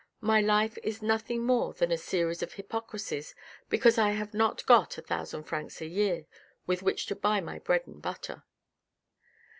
My life is nothing more than a series of hypocrisies because I have not got a thousand francs a year with which to buy my bread and butter."